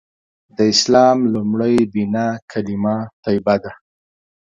د اسلام لومړۍ بناء کلیمه طیبه ده.